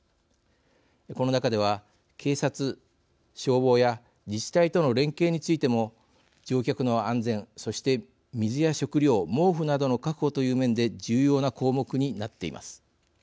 この中では警察・消防や自治体との連携についても乗客の安全そして水や食料、毛布などの確保という面で重要な項目になっています。